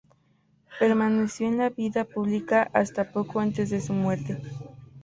Permaneció en la vida pública hasta poco antes de su muerte.